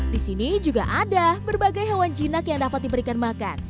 di sini juga ada berbagai hewan jinak yang dapat diberikan makan